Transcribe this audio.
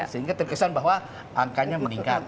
sehingga terkesan bahwa angkanya meningkat